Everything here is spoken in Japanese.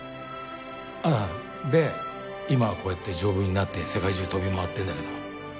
あっで今はこうやって丈夫になって世界中飛び回ってるんだけど。